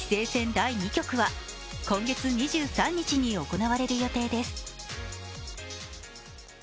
第２局は今月２３日に行われる予定です。